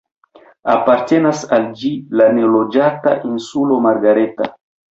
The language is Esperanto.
Apartenas al ĝi la neloĝata Insulo Margareta.